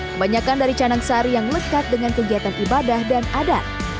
kebanyakan dari canang sari yang lekat dengan kegiatan ibadah dan adat